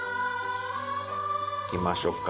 いきましょか。